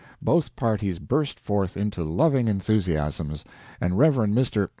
Both parties burst forth into loving enthusiasms, and Rev. Mr.